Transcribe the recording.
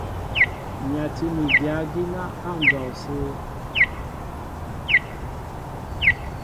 Nyatí mi dyǎ gínɛ́ á ndɔw sə.